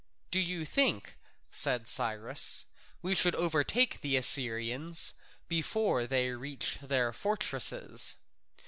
"Do you think," said Cyrus, "we should overtake the Assyrians before they reach their fortresses?